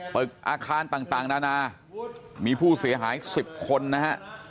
เปิดอาคารต่างต่างนานามีผู้เสียหายสิบคนนะฮะ